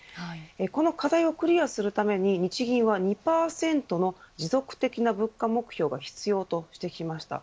この課題をクリアするために日銀は２％の持続的な物価目標が必要としてきました。